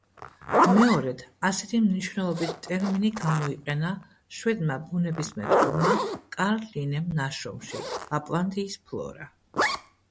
მეორედ ასეთი მნიშვნელობით ტერმინი გამოიყენა შვედმა ბუნებისმეტყველმა კარლ ლინემ ნაშრომში „ლაპლანდიის ფლორა“.